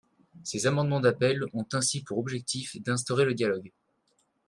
Ces amendements d’appel ont ainsi pour objectif d’instaurer le dialogue.